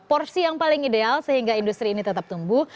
porsi yang paling ideal sehingga industri ini tetap tumbuh